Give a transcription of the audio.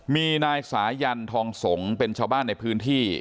มีนายสายันทองสงฆ์เป็นชาวบ้านในพื้นที่